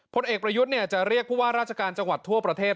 ผลเอกประยุทธ์จะเรียกผู้ว่าราชการจังหวัดทั่วประเทศ